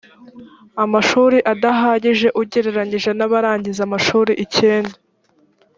amashuri adahagije ugererenije n’abarangiza amashuri icyenda